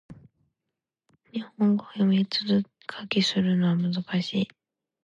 日本語を読み書きするのは難しい